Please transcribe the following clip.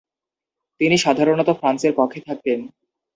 তিনি সাধারণত ফ্রান্সের পক্ষে থাকতেন।